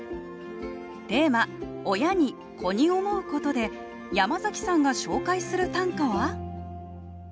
テーマ「親に、子に思うこと」で山崎さんが紹介する短歌は？